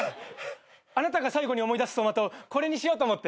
あなたが最期に思い出す走馬灯これにしようと思って。